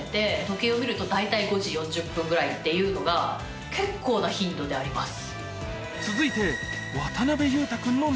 時計を見ると大体５時４０分ぐらいっていうのが結構な頻度であります。